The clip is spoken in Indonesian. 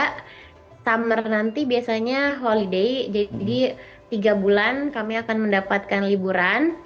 karena summer nanti biasanya holiday jadi tiga bulan kami akan mendapatkan liburan